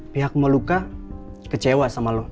pihak meluka kecewa sama lo